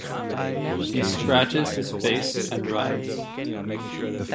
She scratches his face and runs.